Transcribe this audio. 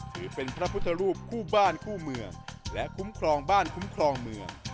ถือเป็นพระพุทธรูปคู่บ้านคู่เมืองและคุ้มครองบ้านคุ้มครองเมือง